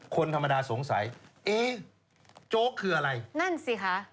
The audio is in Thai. คนธรรมดาสงสัยเอ๊ะโจ๊กคืออะไรนั่นสิคะ